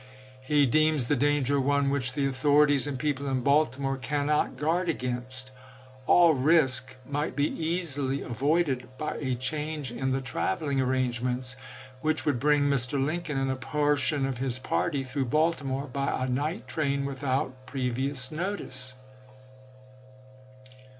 He deems the danger one which the authorities and people in Baltimore cannot guard against. All risk might be easily avoided by a change in the trav eling arrangements which would bring Mr. Lincoln and a portion of his party through Baltimore by a night train ms. without previous notice.